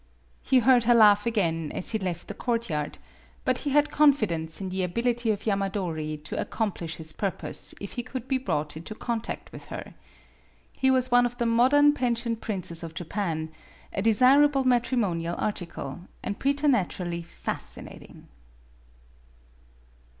He heard her laugh again as he left the 38 MADAME BUTTERFLY courtyard; but he had confidence in the ability of Yamadori to accomplish his pur pose if he could be brought into contact with her. He was one of the modern pen sioned princes of Japan, a desirable matrimo nial article, and preternaturally fascinating.